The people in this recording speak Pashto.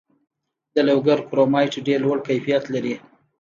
د لوګر کرومایټ ډیر لوړ کیفیت لري.